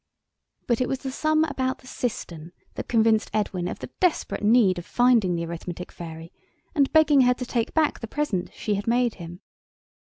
But it was the sum about the cistern that convinced Edwin of the desperate need of finding the Arithmetic Fairy, and begging her to take back the present she had made him.